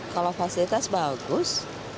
kalau fasilitas bagus